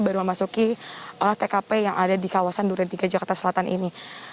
baru memasuki olah tkp yang ada di kawasan duren tiga jakarta selatan ini